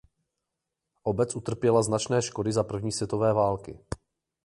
Obec utrpěla značné škody za první světové války.